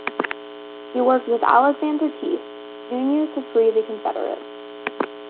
He worked with Alexander Keith, Junior to free the Confederates.